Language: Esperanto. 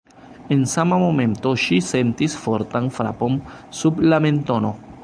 En sama momento ŝi sentis fortan frapon sub la mentono.